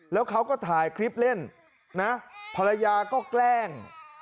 แล้วเขาก็ถ่ายคลิปเล่นนะภรรยาก็แกล้ง